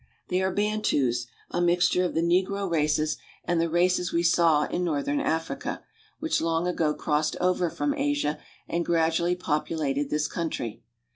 They are Bantus, a mixture of the negro races and the races we saw in northern Africa which long ago crossed over from Asia and gradually populated this country.